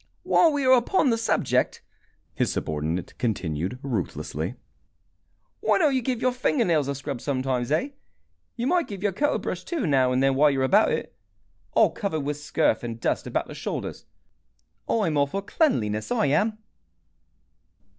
"While we are upon the subject," his subordinate continued, ruthlessly, "why don't you give your fingernails a scrub sometimes, eh? You might give your coat a brush, too, now and then, while you are about it. All covered with scurf and dust about the shoulders! I'm all for cleanliness, I am."